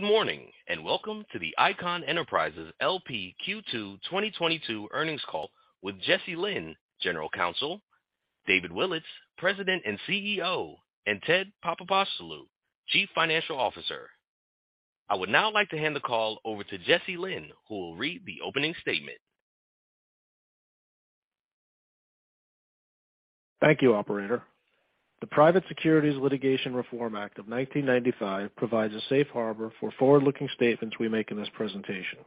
Good morning, and welcome to the Icahn Enterprises L.P. Q2 2022 earnings call with Jesse Lynn, General Counsel, David Willetts, President and CEO, and Ted Papapostolou, Chief Financial Officer. I would now like to hand the call over to Jesse Lynn, who will read the opening statement. Thank you, operator. The Private Securities Litigation Reform Act of 1995 provides a safe harbor for forward-looking statements we make in this presentation,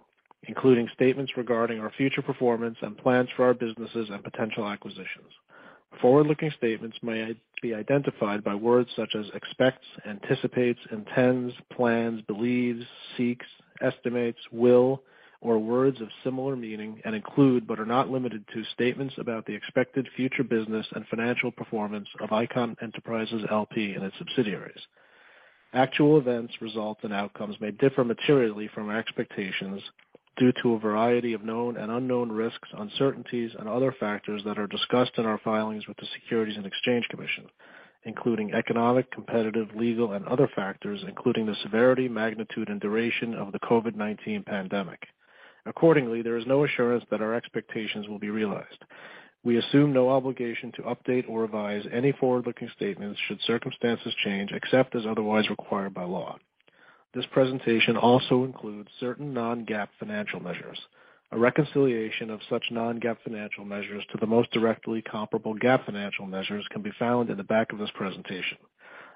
including statements regarding our future performance and plans for our businesses and potential acquisitions. Forward-looking statements may be identified by words such as expects, anticipates, intends, plans, believes, seeks, estimates, will, or words of similar meaning, and include, but are not limited to, statements about the expected future business and financial performance of Icahn Enterprises L.P. and its subsidiaries. Actual events, results, and outcomes may differ materially from our expectations due to a variety of known and unknown risks, uncertainties, and other factors that are discussed in our filings with the Securities and Exchange Commission, including economic, competitive, legal and other factors, including the severity, magnitude, and duration of the COVID-19 pandemic. Accordingly, there is no assurance that our expectations will be realized. We assume no obligation to update or revise any forward-looking statements should circumstances change, except as otherwise required by law. This presentation also includes certain non-GAAP financial measures. A reconciliation of such non-GAAP financial measures to the most directly comparable GAAP financial measures can be found in the back of this presentation.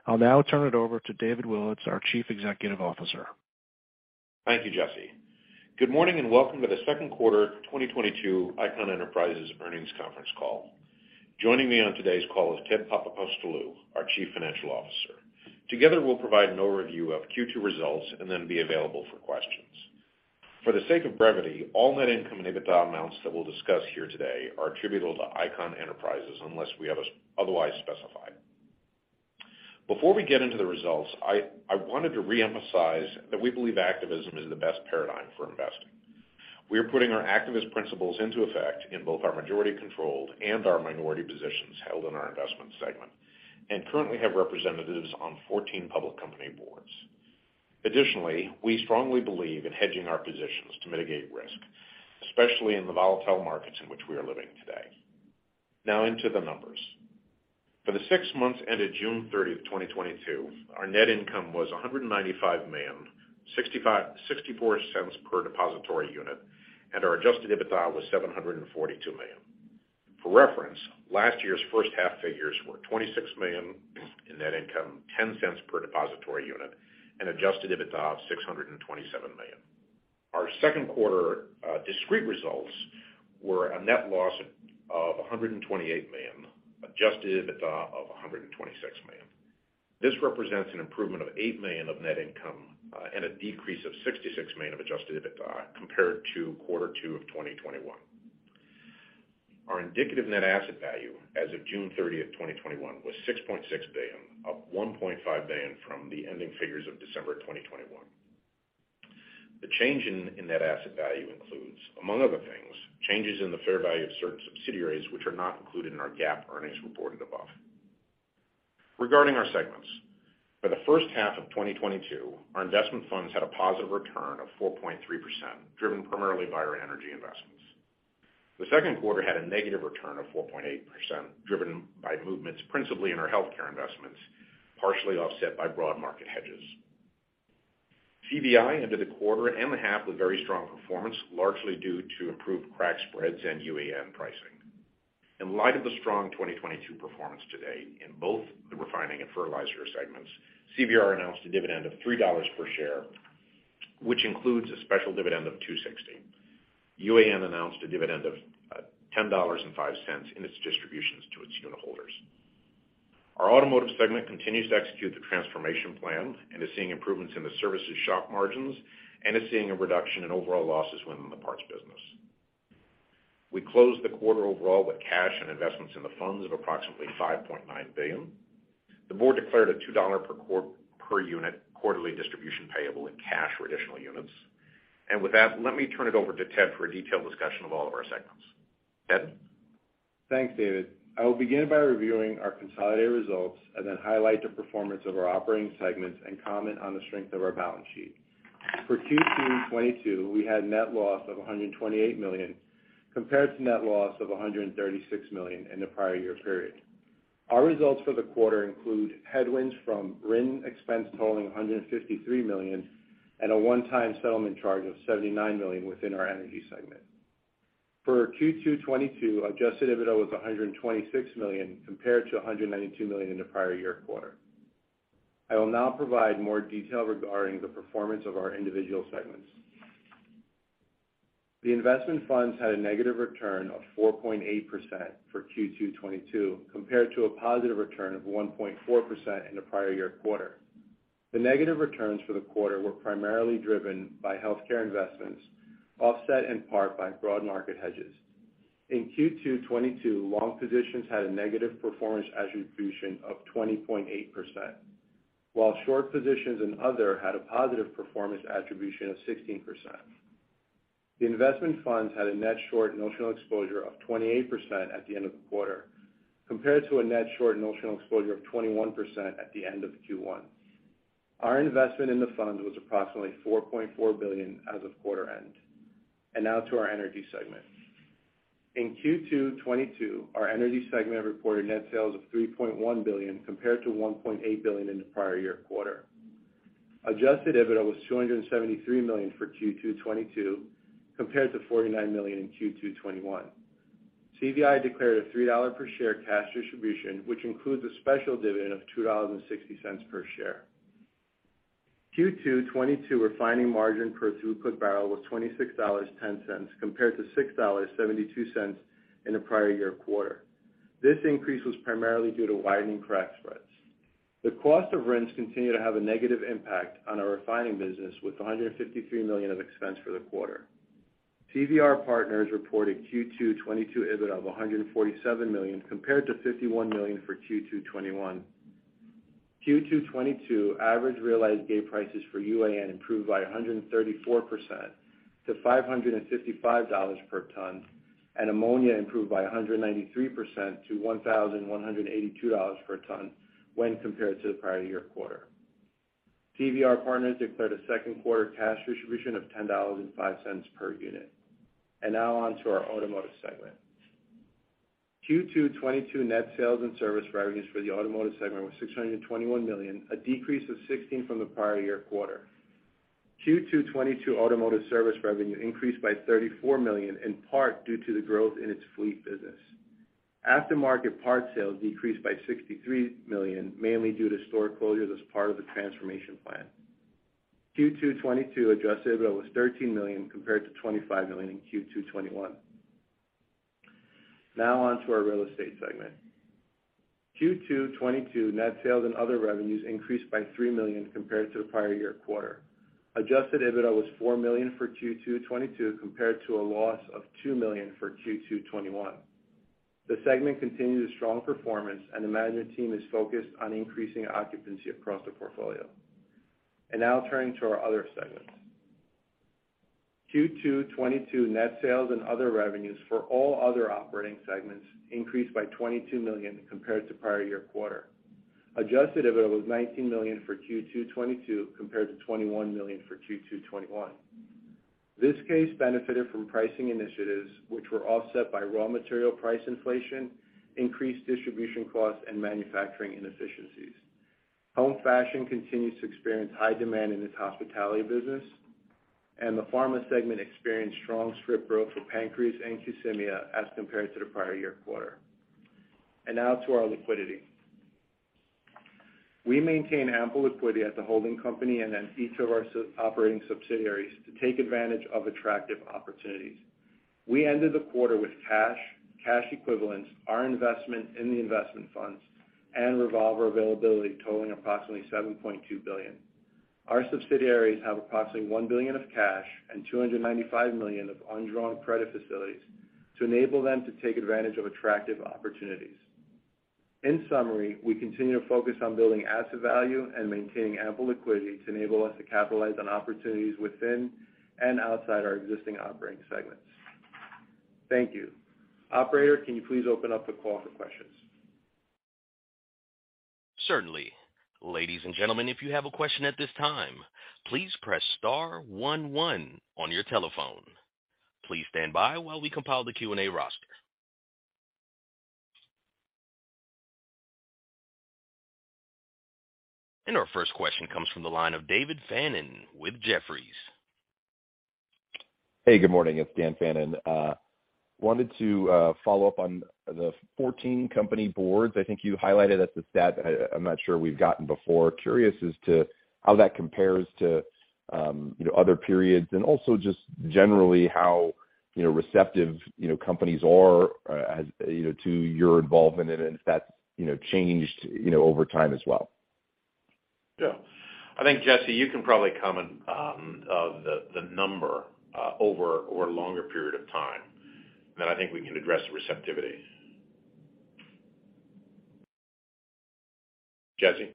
I'll now turn it over to David Willetts, our Chief Executive Officer. Thank you, Jesse. Good morning, and welcome to the Second Quarter 2022 Icahn Enterprises Earnings Conference Call. Joining me on today's call is Ted Papapostolou, our Chief Financial Officer. Together, we'll provide an overview of Q2 results and then be available for questions. For the sake of brevity, all net income and EBITDA amounts that we'll discuss here today are attributable to Icahn Enterprises unless otherwise specified. Before we get into the results, I wanted to re-emphasize that we believe activism is the best paradigm for investing. We are putting our activist principles into effect in both our majority-controlled and our minority positions held in our investment segment, and currently have representatives on 14 public company boards. Additionally, we strongly believe in hedging our positions to mitigate risk, especially in the volatile markets in which we are living today. Now into the numbers. For the six months ended June 30, 2022, our net income was $195 million, $0.64 per depositary unit, and our adjusted EBITDA was $742 million. For reference, last year's first half figures were $26 million in net income, $0.10 per depositary unit, and adjusted EBITDA of $627 million. Our second quarter discrete results were a net loss of $128 million, adjusted EBITDA of $126 million. This represents an improvement of $8 million of net income, and a decrease of $66 million of adjusted EBITDA compared to quarter two of 2021. Our indicative net asset value as of June 30, 2021 was $6.6 billion, up $1.5 billion from the ending figures of December 2021. The change in net asset value includes, among other things, changes in the fair value of certain subsidiaries which are not included in our GAAP earnings reported above. Regarding our segments, for the first half of 2022, our investment funds had a positive return of 4.3%, driven primarily by our energy investments. The second quarter had a negative return of 4.8%, driven by movements principally in our healthcare investments, partially offset by broad market hedges. CVR ended the quarter and the half with very strong performance, largely due to improved crack spreads and UAN pricing. In light of the strong 2022 performance to date in both the refining and fertilizer segments, CVR announced a dividend of $3 per share, which includes a special dividend of $2.60. UAN announced a dividend of $10.05 in its distributions to its unitholders. Our automotive segment continues to execute the transformation plan and is seeing improvements in the services shop margins and is seeing a reduction in overall losses within the parts business. We closed the quarter overall with cash and investments in the funds of approximately $5.9 billion. The board declared a $2 per unit quarterly distribution payable in cash or additional units. With that, let me turn it over to Ted for a detailed discussion of all of our segments. Ted? Thanks, David. I will begin by reviewing our consolidated results and then highlight the performance of our operating segments and comment on the strength of our balance sheet. For Q2 2022, we had net loss of $128 million compared to net loss of $136 million in the prior year period. Our results for the quarter include headwinds from RIN expense totaling $153 million and a one-time settlement charge of $79 million within our energy segment. For Q2 2022, adjusted EBITDA was $126 million compared to $192 million in the prior year quarter. I will now provide more detail regarding the performance of our individual segments. The investment funds had a negative return of 4.8% for Q2 2022 compared to a positive return of 1.4% in the prior year quarter. The negative returns for the quarter were primarily driven by healthcare investments, offset in part by broad market hedges. In Q2 2022, long positions had a negative performance attribution of 20.8%, while short positions and other had a positive performance attribution of 16%. The investment funds had a net short notional exposure of 28% at the end of the quarter, compared to a net short notional exposure of 21% at the end of Q1. Our investment in the fund was approximately $4.4 billion as of quarter end. Now to our energy segment. In Q2 2022, our energy segment reported net sales of $3.1 billion compared to $1.8 billion in the prior year quarter. Adjusted EBITDA was $273 million for Q2 2022, compared to $49 million in Q2 2021. CVR declared a $3 per share cash distribution, which includes a special dividend of $2.60 per share. Q2 2022 refining margin per throughput barrel was $26.10, compared to $6.72 in the prior year quarter. This increase was primarily due to widening crack spreads. The cost of RINs continue to have a negative impact on our refining business, with $153 million of expense for the quarter. CVR Partners reported Q2 2022 EBITDA of $147 million, compared to $51 million for Q2 2021. Q2 2022 average realized gate prices for UAN improved by 134% to $555 per ton, and ammonia improved by 193% to $1,182 per ton when compared to the prior year quarter. CVR Partners declared a second quarter cash distribution of $10.05 per unit. Now on to our automotive segment. Q2 2022 net sales and service revenues for the automotive segment was $621 million, a decrease of 16% from the prior year quarter. Q2 2022 automotive service revenue increased by $34 million, in part due to the growth in its fleet business. Aftermarket parts sales decreased by $63 million, mainly due to store closures as part of the transformation plan. Q2 2022 adjusted EBITDA was $13 million, compared to $25 million in Q2 2021. Now on to our real estate segment. Q2 2022 net sales and other revenues increased by $3 million compared to the prior year quarter. Adjusted EBITDA was $4 million for Q2 2022 compared to a loss of $2 million for Q2 2021. The segment continues strong performance and the management team is focused on increasing occupancy across the portfolio. Now turning to our other segments. Q2 2022 net sales and other revenues for all other operating segments increased by $22 million compared to prior year quarter. Adjusted EBITDA was $19 million for Q2 2022 compared to $21 million for Q2 2021. This segment benefited from pricing initiatives which were offset by raw material price inflation, increased distribution costs, and manufacturing inefficiencies. Home fashion continues to experience high demand in its hospitality business, and the pharma segment experienced strong script growth for PANCREAZE and Qsymia as compared to the prior year quarter. Now to our liquidity. We maintain ample liquidity at the holding company and in each of our operating subsidiaries to take advantage of attractive opportunities. We ended the quarter with cash equivalents, our investment in the investment funds, and revolver availability totaling approximately $7.2 billion. Our subsidiaries have approximately $1 billion of cash and $295 million of undrawn credit facilities to enable them to take advantage of attractive opportunities. In summary, we continue to focus on building asset value and maintaining ample liquidity to enable us to capitalize on opportunities within and outside our existing operating segments. Thank you. Operator, can you please open up the call for questions? Certainly. Ladies and gentlemen, if you have a question at this time, please press star one one on your telephone. Please stand by while we compile the Q&A roster. Our first question comes from the line of Dan Fannon with Jefferies. Hey, good morning. It's Dan Fannon. Wanted to follow up on the 14 company boards. I think you highlighted that's a stat I'm not sure we've gotten before. Curious as to how that compares to, you know, other periods, and also just generally how, you know, receptive, you know, companies are, as, you know, to your involvement in it, if that's, you know, changed, you know, over time as well. I think, Jesse, you can probably comment of the number over a longer period of time, then I think we can address receptivity. Jesse?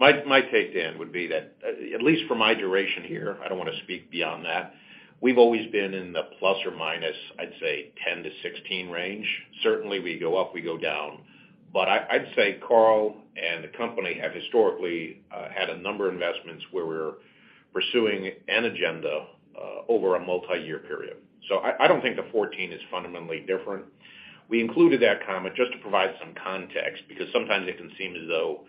My take, Dan, would be that at least for my duration here, I don't wanna speak beyond that, we've always been in the plus or minus, I'd say 10-16 range. Certainly, we go up, we go down. I'd say Carl and the company have historically had a number of investments where we're pursuing an agenda over a multiyear period. I don't think the 14 is fundamentally different. We included that comment just to provide some context, because sometimes it can seem as though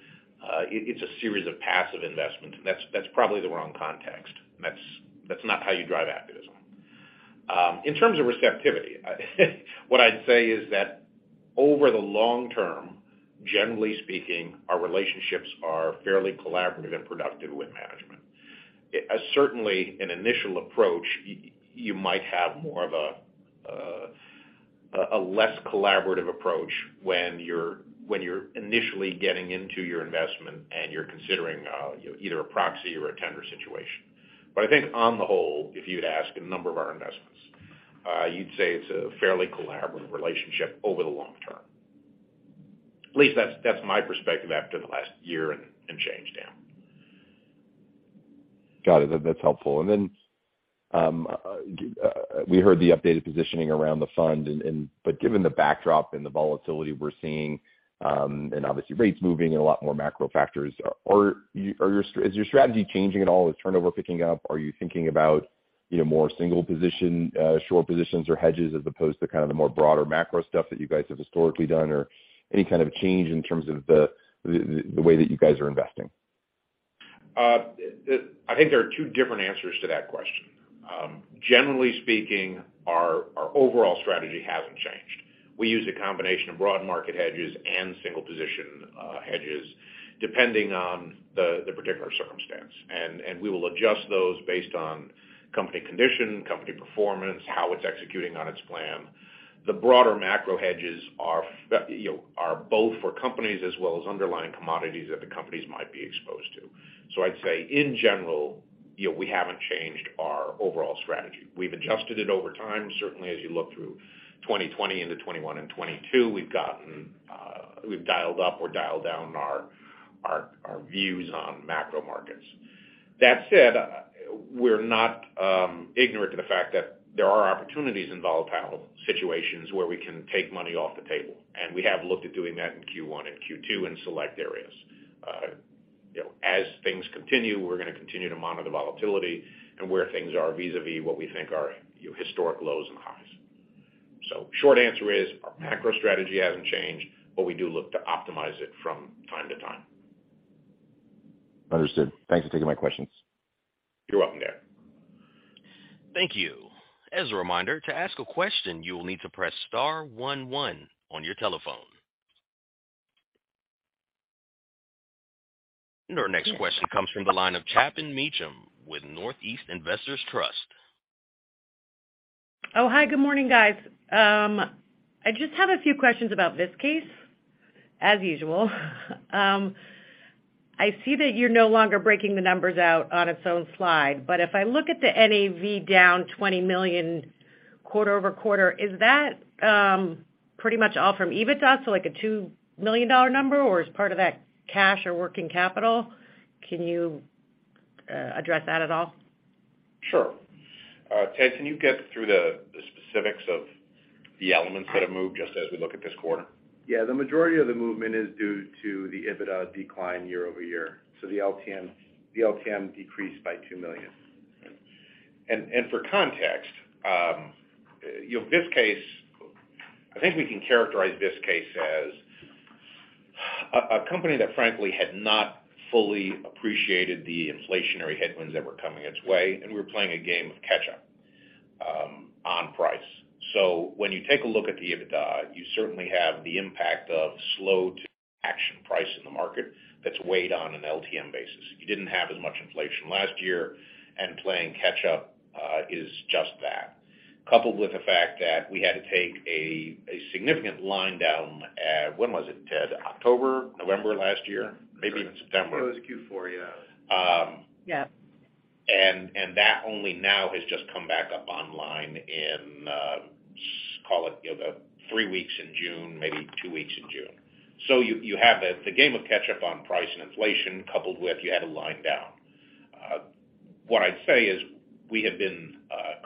it's a series of passive investments, and that's probably the wrong context. That's not how you drive activism. In terms of receptivity, what I'd say is that over the long term, generally speaking, our relationships are fairly collaborative and productive with management. As certainly an initial approach, you might have more of a less collaborative approach when you're initially getting into your investment and you're considering either a proxy or a tender situation. I think on the whole, if you'd ask a number of our investments, you'd say it's a fairly collaborative relationship over the long term. At least that's my perspective after the last year and change, Dan. Got it. That's helpful. We heard the updated positioning around the fund. Given the backdrop and the volatility we're seeing, and obviously rates moving and a lot more macro factors, is your strategy changing at all? Is turnover picking up? Are you thinking about, you know, more single position short positions or hedges as opposed to kind of the more broader macro stuff that you guys have historically done, or any kind of change in terms of the way that you guys are investing? I think there are two different answers to that question. Generally speaking, our overall strategy hasn't changed. We use a combination of broad market hedges and single position hedges, depending on the particular circumstance. We will adjust those based on company condition, company performance, how it's executing on its plan. The broader macro hedges, you know, are both for companies as well as underlying commodities that the companies might be exposed to. I'd say in general, you know, we haven't changed our overall strategy. We've adjusted it over time. Certainly as you look through 2020 into 2021 and 2022, we've dialed up or dialed down our views on macro markets. That said, we're not ignorant to the fact that there are opportunities in volatile situations where we can take money off the table, and we have looked at doing that in Q1 and Q2 in select areas. You know, as things continue, we're gonna continue to monitor the volatility and where things are vis-a-vis what we think are your historic lows and highs. Short answer is, our macro strategy hasn't changed, but we do look to optimize it from time to time. Understood. Thanks for taking my questions. You're welcome, Dan. Thank you. As a reminder, to ask a question, you will need to press star one one on your telephone. Our next question comes from the line of Chapin Meacham with Northeast Investors Trust. Oh, hi, good morning, guys. I just have a few questions about Viskase, as usual. I see that you're no longer breaking the numbers out on its own slide, but if I look at the NAV down $20 million quarter-over-quarter, is that, pretty much all from EBITDA, so like a $2 million number, or is part of that cash or working capital? Can you, address that at all? Sure. Ted, can you get through the specifics of the elements that have moved just as we look at this quarter? Yeah. The majority of the movement is due to the EBITDA decline year-over-year. The LTM decreased by $2 million. For context, you know, Viskase, I think we can characterize Viskase as a company that frankly had not fully appreciated the inflationary headwinds that were coming its way, and we're playing a game of catch up on price. When you take a look at the EBITDA, you certainly have the impact of slow to action price in the market that's weighed on an LTM basis. You didn't have as much inflation last year, and playing catch-up is just that. Coupled with the fact that we had to take a significant line down at, when was it, Ted? October, November last year? Yeah. Maybe even September. It was Q4, yeah. Yeah. That only now has just come back up online in, call it, you know, the three weeks in June, maybe two weeks in June. You have a game of catch up on price and inflation coupled with you had a line down. What I'd say is we have been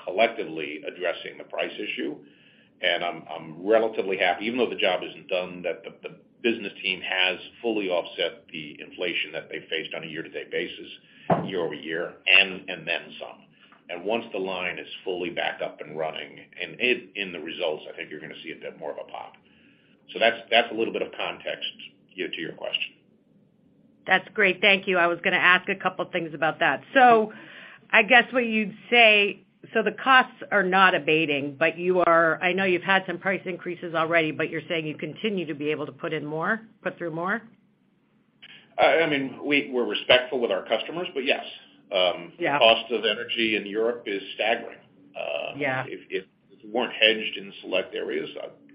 collectively addressing the price issue, and I'm relatively happy, even though the job isn't done, that the business team has fully offset the inflation that they faced on a year-to-date basis, year-over-year, and then some. Once the line is fully back up and running, in the results, I think you're gonna see a bit more of a pop. That's a little bit of context, you know, to your question. That's great. Thank you. I was gonna ask a couple things about that. I guess what you'd say. The costs are not abating, but I know you've had some price increases already, but you're saying you continue to be able to put in more, put through more? I mean, we're respectful with our customers, but yes. Yeah. The cost of energy in Europe is staggering. Yeah. If it weren't hedged in select areas,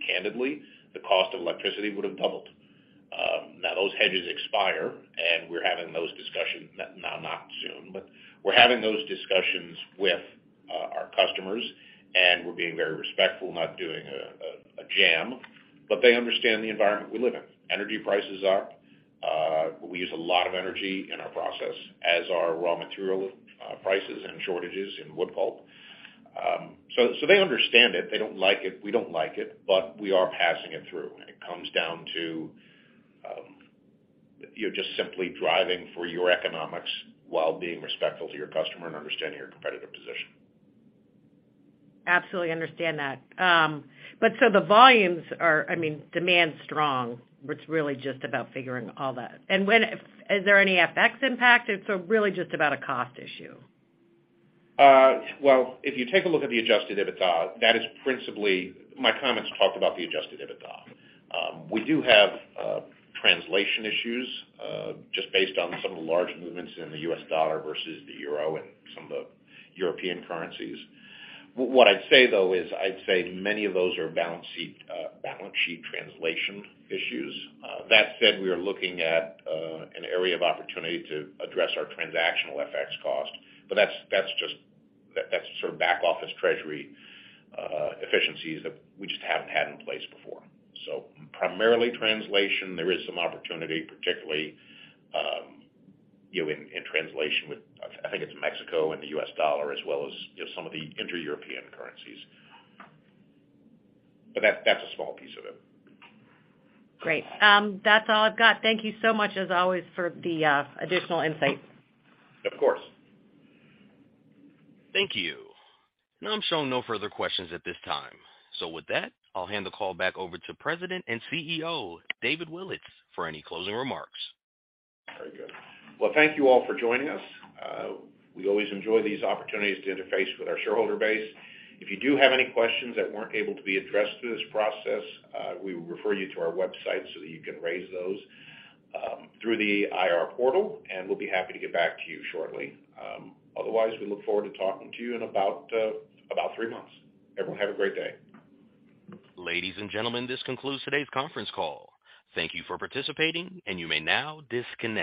candidly, the cost of electricity would have doubled. Now those hedges expire, and we're having those discussions. Now, not soon, but we're having those discussions with our customers, and we're being very respectful, not doing a jam, but they understand the environment we live in. Energy prices are up. We use a lot of energy in our process as our raw material prices and shortages in wood pulp. So they understand it. They don't like it. We don't like it. We are passing it through, and it comes down to you know, just simply driving for your economics while being respectful to your customer and understanding your competitive position. Absolutely understand that. The volumes are, I mean, demand's strong. It's really just about figuring all that. Is there any FX impact, or it's really just about a cost issue? If you take a look at the adjusted EBITDA, that is principally my comments talked about the adjusted EBITDA. We do have translation issues just based on some of the large movements in the US dollar versus the euro and some of the European currencies. What I'd say, though, is I'd say many of those are balance sheet translation issues. That said, we are looking at an area of opportunity to address our transactional FX cost, but that's just sort of back office treasury efficiencies that we just haven't had in place before. Primarily translation, there is some opportunity, particularly you know, in translation with I think it's Mexico and the US dollar, as well as you know, some of the inter-European currencies. But that's a small piece of it. Great. That's all I've got. Thank you so much as always for the additional insight. Of course. Thank you. Now I'm showing no further questions at this time. With that, I'll hand the call back over to President and CEO, David Willetts, for any closing remarks. Very good. Well, thank you all for joining us. We always enjoy these opportunities to interface with our shareholder base. If you do have any questions that weren't able to be addressed through this process, we will refer you to our website so that you can raise those through the IR portal, and we'll be happy to get back to you shortly. Otherwise, we look forward to talking to you in about three months. Everyone, have a great day. Ladies and gentlemen, this concludes today's conference call. Thank you for participating, and you may now disconnect.